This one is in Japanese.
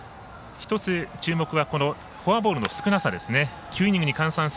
１つ、注目はフォアボールの少なさです。